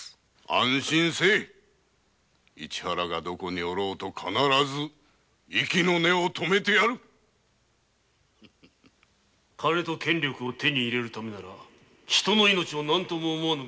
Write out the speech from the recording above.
安心せい市原がどこにいようと必ず息の根をとめてやる・金と権力を手に入れるためなら人の命も何とも思わぬ外道ども。